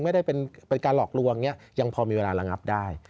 ไม่ได้เป็นการหลอกลวงเนี่ยยังพอมีเวลาระงับได้